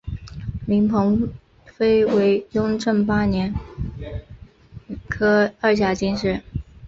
林鹏飞为雍正八年庚戌科二甲进士。